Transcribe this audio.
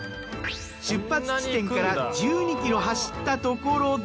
出発地点から１２ｋｍ走ったところで。